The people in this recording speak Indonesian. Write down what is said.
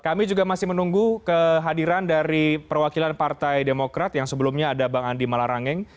kami juga masih menunggu kehadiran dari perwakilan partai demokrat yang sebelumnya ada bang andi malarangeng